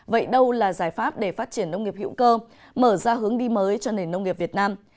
vậy đâu là giải pháp để phát triển nông nghiệp hữu cơ mở ra hướng đi mới cho nền nông nghiệp việt nam